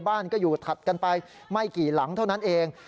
บ้านก็อยู่ถัดกันไปไม่กี่หลังเท่านั้นเอง